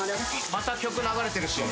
また曲流れてるし。